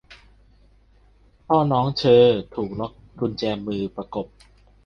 'พ่อน้องเฌอ' ถูกล็อคกุญแจมือประกบ